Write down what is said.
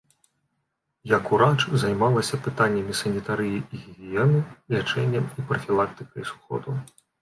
Як урач займалася пытаннямі санітарыі і гігіены, лячэннем і прафілактыкай сухотаў.